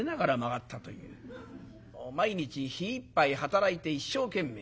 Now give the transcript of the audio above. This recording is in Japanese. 毎日日いっぱい働いて一生懸命。